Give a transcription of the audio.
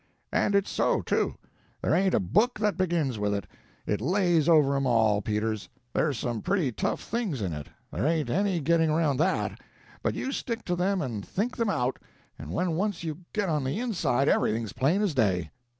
"And it's so, too. There ain't a book that begins with it. It lays over 'm all, Peters. There's some pretty tough things in it there ain't any getting around that but you stick to them and think them out, and when once you get on the inside everything's plain as day."